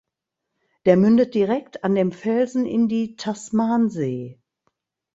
Der mündet direkt an dem Felsen in die Tasmansee.